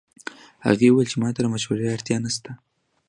هغې وویل چې ما ته د مشورې اړتیا نه شته